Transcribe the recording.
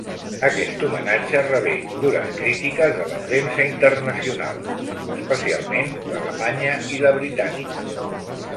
Aquest homenatge rebé dures crítiques de la premsa internacional, especialment l'alemanya i la britànica.